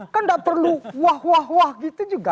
kan enggak perlu wah wah wah gitu juga